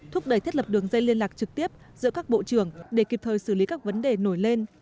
thúc đẩy thiết lập đường dây liên lạc trực tiếp giữa các bộ trưởng để kịp thời xử lý các vấn đề nổi lên